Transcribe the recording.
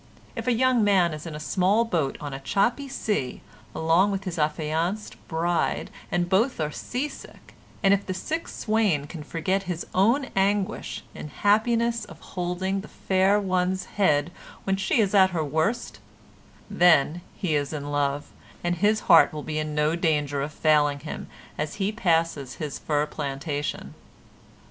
If a young man is in a small boat on a choppy sea, along with his affianced bride and both are sea sick, and if the sick swain can forget his own anguish in the happiness of holding the fair one's head when she is at her worst—then he is in love, and his heart will be in no danger of failing him as he passes his fir plantation.